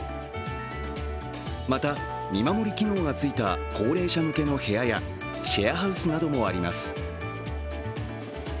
また、見守り機能がついた高齢者向けの部屋やシェアハウスなどもあります。